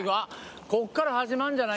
ここから始まるんじゃない？